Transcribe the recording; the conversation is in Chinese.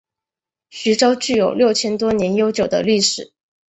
徐州具有六千多年悠久的历史。